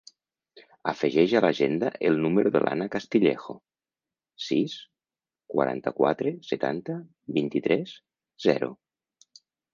Afegeix a l'agenda el número de l'Anna Castillejo: sis, quaranta-quatre, setanta, vint-i-tres, zero.